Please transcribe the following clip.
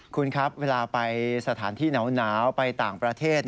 คุณครับเวลาไปสถานที่หนาวไปต่างประเทศ